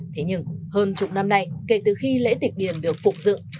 thế nhưng hơn chục năm nay kể từ khi lễ tịch điền được phục dựng